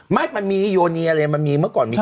มันมีโยนีอะไรมันมีเมื่อก่อนมี